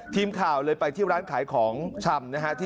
ทีมข่าวเลยไปที่ร้านขายของชำนะฮะ